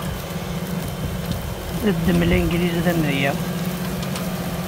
Ddem Langliz d amedya.